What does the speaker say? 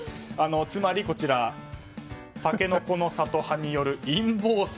つまり、たけのこの里派による陰謀説。